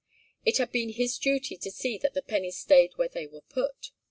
It had been his duty to see that the pennies stayed where they were put.